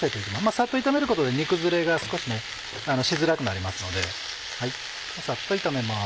サッと炒めることで煮崩れが少ししづらくなりますのでサッと炒めます。